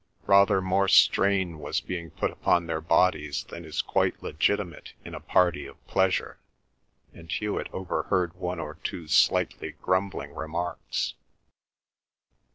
Rather more strain was being put upon their bodies than is quite legitimate in a party of pleasure, and Hewet overheard one or two slightly grumbling remarks.